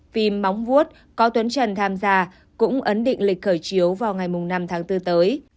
tổng vuốt có tuấn trần tham gia cũng ấn định lịch khởi chiếu vào ngày năm tháng bốn tới